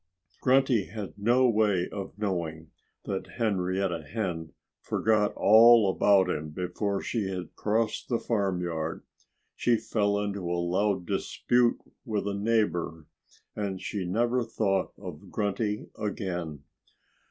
Grunty had no way of knowing that Henrietta Hen forgot all about him before she had crossed the farmyard. She fell into a loud dispute with a neighbor. And she never thought of Grunty again.